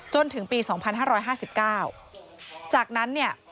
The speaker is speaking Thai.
จนถึงปีสองพันห้าร้อยห้าสิบเก้าจากนั้นเนี้ย